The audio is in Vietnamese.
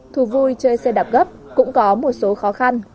thú vui chơi xe đạp gấp cũng có một số khó khăn